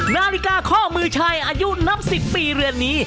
นาฬิกาข้อมือชายอายุนับ๑๐ปีเรือนนี้